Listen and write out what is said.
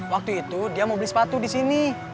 waktu itu dia mau beli sepatu disini